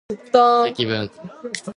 積分